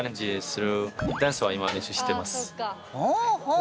ほうほう。